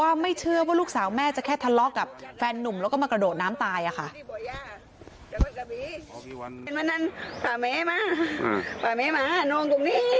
วันนั้นพาแม่มาพาแม่มาน้องตรงนี้